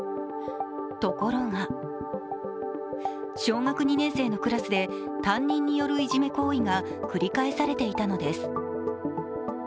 ところが小学２年生のクラスで担任によるいじめ行為が繰り返されていたのです。